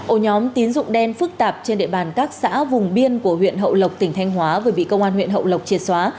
ổ nhóm tín dụng đen phức tạp trên địa bàn các xã vùng biên của huyện hậu lộc tỉnh thanh hóa vừa bị công an huyện hậu lộc triệt xóa